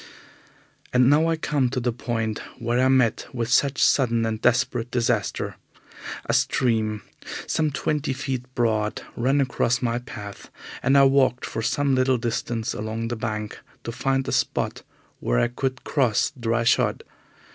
And now I come to the point where I met with such sudden and desperate disaster. A stream, some twenty feet broad, ran across my path, and I walked for some little distance along the bank to find a spot where I could cross dry shod.